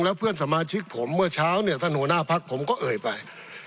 แล้วเพื่อนสมาชิกผมเมื่อเช้าเนี่ยท่านหัวหน้าพักผมก็เอ่ยไป